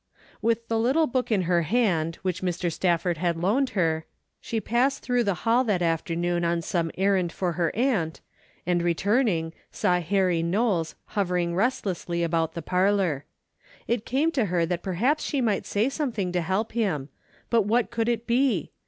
With the little book in her hand which Mr. Stafford had loaned her she passed through the hall that afternoon on some errand for her aunt, and returning saw Harry Knowles hov ering restlessly about the parlor. It came to her that perhaps she might say something to help him, but what could it be